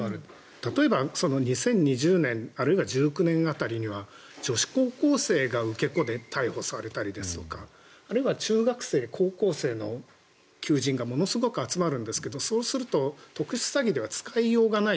例えば、２０２０年あるいは２０１９年辺りには女子高校生が受け子で逮捕されたりあるいは中学生、高校生の求人がものすごく集まるんですけどそうすると特殊詐欺では使いようがない。